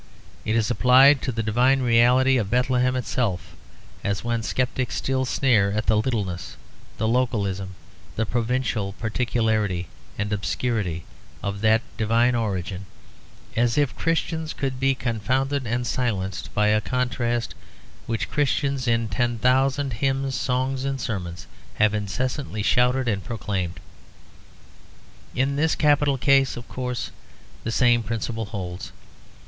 It is applied to the divine reality of Bethlehem itself, as when sceptics still sneer at the littleness, the localism, the provincial particularity and obscurity of that divine origin; as if Christians could be confounded and silenced by a contrast which Christians in ten thousand hymns, songs and sermons have incessantly shouted and proclaimed. In this capital case, of course, the same principle holds.